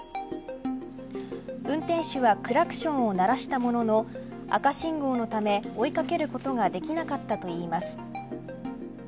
運転手はクラクションを鳴らしたものの赤信号のため追いかけることができなかったといいます。